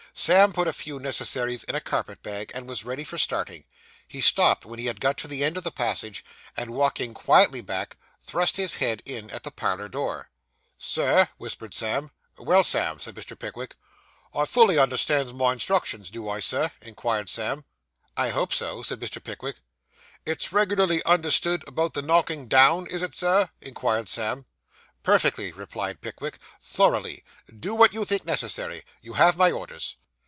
Sam put a few necessaries in a carpet bag, and was ready for starting. He stopped when he had got to the end of the passage, and walking quietly back, thrust his head in at the parlour door. 'Sir,' whispered Sam. 'Well, Sam,' said Mr. Pickwick. 'I fully understands my instructions, do I, Sir?' inquired Sam. 'I hope so,' said Mr. Pickwick. 'It's reg'larly understood about the knockin' down, is it, Sir?' inquired Sam. 'Perfectly,' replied Pickwick. 'Thoroughly. Do what you think necessary. You have my orders.